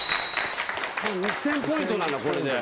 ２，０００ポイントなんだこれで。